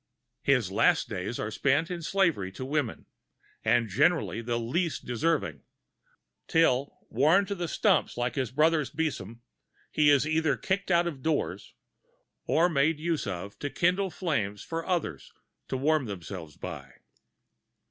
His last days are spent in slavery to women, and generally the least deserving; till, worn to the stumps, like his brother besom, he is either kicked out of doors, or made use of to kindle flames for others to warm themselves by.